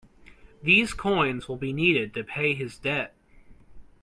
These coins will be needed to pay his debt.